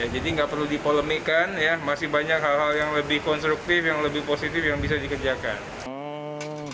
jadi nggak perlu dipolemikan masih banyak hal hal yang lebih konstruktif yang lebih positif yang bisa dikerjakan